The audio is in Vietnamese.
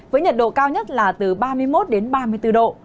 với nhiệt độ cao nhất là từ ba mươi một đến ba mươi bốn độ